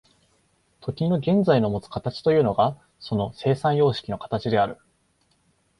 時の現在のもつ形というのがその生産様式の形である。